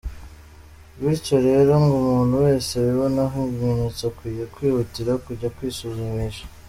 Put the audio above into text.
Bityo rero ngo umuntu wese wibonaho ibimenyetso akwiye kwihutira kujya kwisuzumisha.